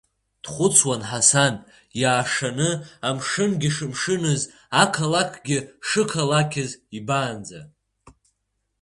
Дхәыцуан Ҳасан, иаашаны амшынгьы шымшыныз, ақалақьгьы шқалақьыз ибаанӡа.